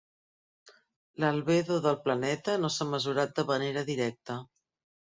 L'albedo del planeta no s'ha mesurat de manera directa.